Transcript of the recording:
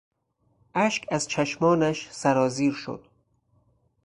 اشک از چشمانش سرازیر شد.